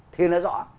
thì nó rõ